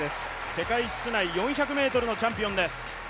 世界室内４００ｍのチャンピオンです。